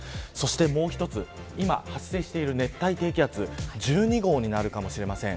そしてもう一つ今発生している熱帯低気圧１２号になるかもしれません。